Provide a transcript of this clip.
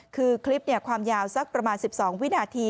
คือคลิปความยาวสักประมาณ๑๒วินาที